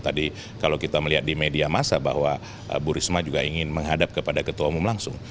tadi kalau kita melihat di media masa bahwa bu risma juga ingin menghadap kepada ketua umum langsung